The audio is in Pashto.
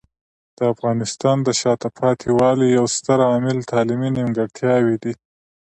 د افغانستان د شاته پاتې والي یو ستر عامل تعلیمي نیمګړتیاوې دي.